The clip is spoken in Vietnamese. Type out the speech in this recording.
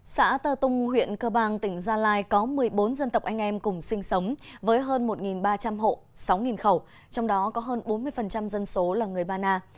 xã tơ tung huyện cơ bang tỉnh gia lai có một mươi bốn dân tộc anh em cùng sinh sống với hơn một ba trăm linh hộ sáu khẩu trong đó có hơn bốn mươi dân số là người ba na